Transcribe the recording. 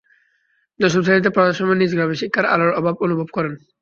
দশম শ্রেণিতে পড়ার সময় নিজ গ্রামে শিক্ষার আলোর অভাব অনুভব করেন।